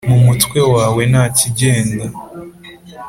mu mutwe wawe ntakigenda